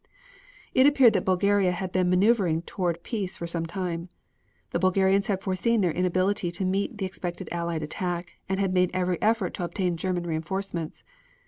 It appeared that Bulgaria had been maneuvering toward peace for some time. The Bulgarians had foreseen their inability to meet the expected Allied attack, and had made every effort to obtain German reinforcements.